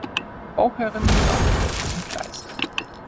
Bauherrin war die Gräfin von Kleist.